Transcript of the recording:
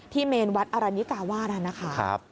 ที่เมนวัดอารณิกาว่านะครับ